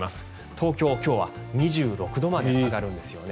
東京、今日は２６度まで上がるんですよね。